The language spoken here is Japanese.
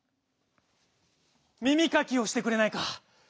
耳かきをしてくれないか？